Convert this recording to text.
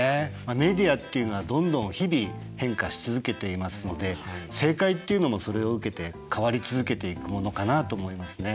メディアっていうのはどんどん日々変化し続けていますので正解っていうのもそれを受けて変わり続けていくものかなと思いますね。